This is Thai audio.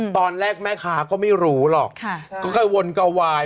ตอนแรกแม่ค้าก็ไม่รู้หรอกก็ค่อยวนกระวาย